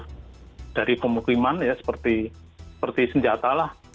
dan yang jauh dari pemukiman ya seperti senjata lah